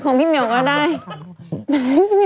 พี่เหมียวก็ได้